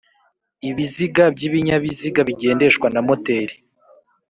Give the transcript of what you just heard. Ibiziga by'ibinyabiziga bigendeshwa na moteri